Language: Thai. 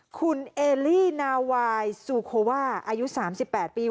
คุณเอลี่นาวายซูโคว่าอายุ๓๘ปี